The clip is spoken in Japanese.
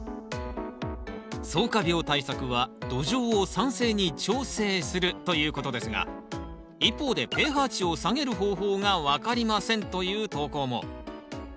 そうか病対策は土壌を酸性に調整するということですが一方で「ｐＨ値を下げる方法がわかりません」という投稿も。